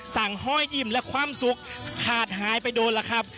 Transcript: ห้อยอิ่มและความสุขขาดหายไปโดนล่ะครับ